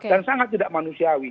dan sangat tidak manusiawan